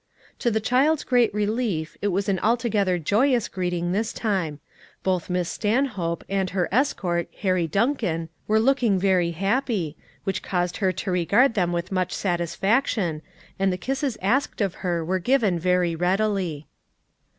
To the child's great relief it was an altogether joyous greeting this time; both Miss Stanhope, and her escort, Harry Duncan, were looking very happy, which caused her to regard them with much satisfaction, and the kisses asked of her were given very readily.